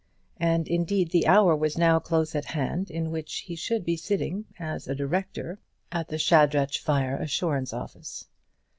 And indeed the hour was now close at hand in which he should be sitting as a director at the Shadrach Fire Assurance Office.